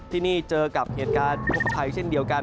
ที่นี่เจอกับเหตุการณ์ทกภัยเช่นเดียวกัน